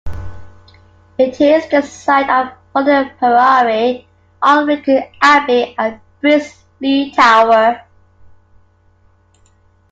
It is the site of Hulne Priory, Alnwick Abbey, and Brizlee Tower.